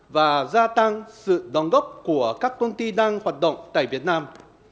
và gia tăng sự đón gốc của các công ty đang hoạt động tại việt nam